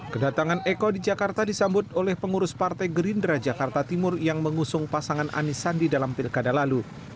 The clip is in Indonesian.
kedatangan eko di jakarta disambut oleh pengurus partai gerindra jakarta timur yang mengusung pasangan anis sandi dalam pilkada lalu